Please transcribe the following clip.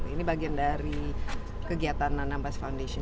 ini bagian dari kegiatan nanabas foundation juga